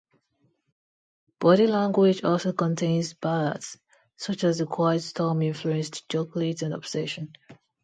"Body Language" also contains ballads such as the quiet storm-influenced "Chocolate" and "Obsession".